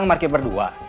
masih di pasar